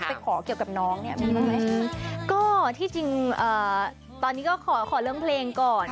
ไปขอเกี่ยวกับน้องเนี่ยมีบ้างไหมก็ที่จริงตอนนี้ก็ขอขอเรื่องเพลงก่อน